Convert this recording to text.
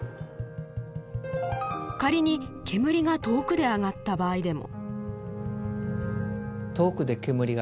仮に煙が遠くで上がった場合でも。